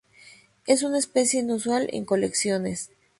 Es una especie inusual en colecciones.